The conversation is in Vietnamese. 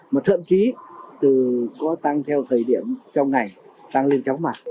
mà thậm chí có tăng theo thời điểm trong ngày tăng lên chóng mặt